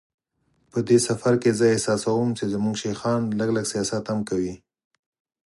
په دې سفر کې زه احساسوم چې زموږ شیخان لږ لږ سیاست هم کوي.